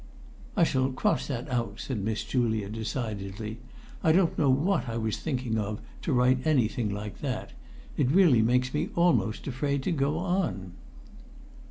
"I shall cross that out," said Miss Julia decidedly. "I don't know what I was thinking of to write anything like that. It really makes me almost afraid to go on."